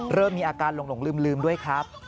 เริ่มมีอาการหลงลืมด้วยครับ